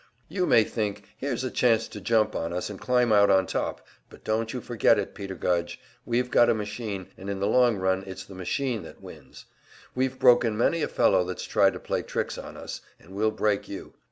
"You may think, here's a chance to jump on us and climb out on top, but don't you forget it, Peter Gudge, we've got a machine, and in the long run it's the machine that wins. We've broken many a fellow that's tried to play tricks on us, and we'll break you.